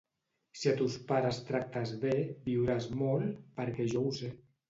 Si a tos pares tractes bé, viuràs molt, perquè jo ho sé.